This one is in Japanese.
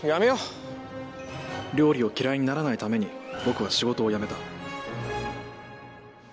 料理を嫌いにならないために僕は仕事を辞めた